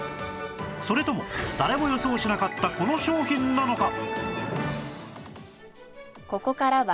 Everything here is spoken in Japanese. それとも誰も予想しなかったこの商品なのか？